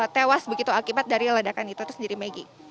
tewas begitu akibat dari ledakan itu sendiri maggie